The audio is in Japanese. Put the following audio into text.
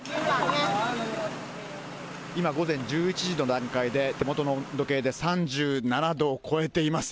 今、午前１１時の段階で、手元の温度計で３７度を超えています。